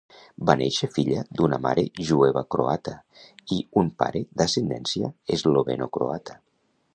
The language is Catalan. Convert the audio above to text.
Va néixer filla d'una mare jueva croata i un pare d'ascendència esloveno-croata.